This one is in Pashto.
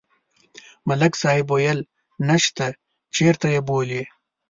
ملک صاحب ویل: نشته، چېرته یې بولي؟